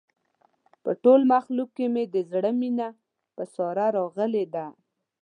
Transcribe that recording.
په ټول مخلوق کې مې د زړه مینه په ساره راغلې ده.